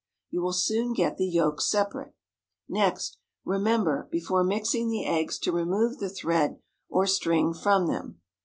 You will soon get the yolks separate. Next, remember before mixing the eggs to remove the thread or string from them.